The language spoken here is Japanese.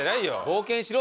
冒険しろ！